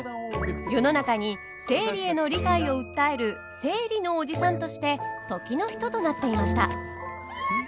世の中に生理への理解を訴える「生理のおじさん」として時の人となっていました。